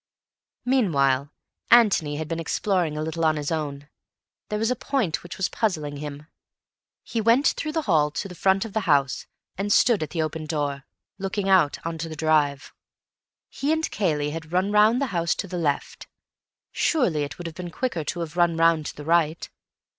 Meanwhile Antony had been exploring a little on his own. There was a point which was puzzling him. He went through the hall to the front of the house and stood at the open door, looking out on to the drive. He and Cayley had run round the house to the left. Surely it would have been quicker to have run round to the right?